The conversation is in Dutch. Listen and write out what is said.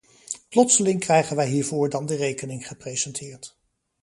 Plotseling krijgen wij hiervoor dan de rekening gepresenteerd.